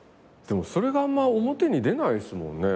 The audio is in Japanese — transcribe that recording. それがあんま表に出ないですもんね。